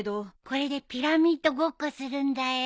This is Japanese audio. これでピラミッドごっこするんだよ。